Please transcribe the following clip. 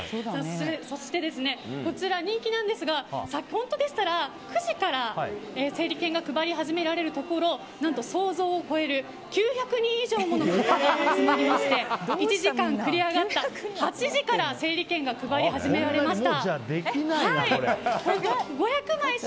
そして、こちら人気なんですが本当でしたら９時から整理券が配り始められるところ何と、想像を超える９００人以上もの方が集まりまして１時間繰り上がった８時から整理券が配り始められました。